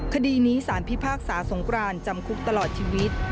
คดีนี้สารพิพากษาสงครานจำคุกตลอดชีวิต